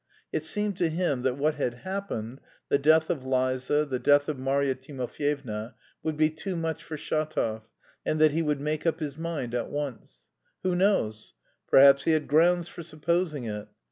It seemed to him that what had happened the death of Liza, the death of Marya Timofyevna would be too much for Shatov, and that he would make up his mind at once. Who knows? perhaps he had grounds for supposing it.